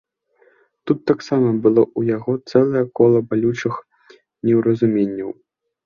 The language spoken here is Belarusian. Тут таксама было ў яго цэлае кола балючых неўразуменняў.